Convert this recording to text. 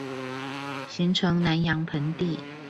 形成南陽盆地